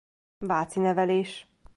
Váci nevelés.